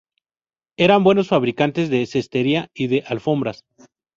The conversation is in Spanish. Eran buenos fabricantes de cestería y de alfombras.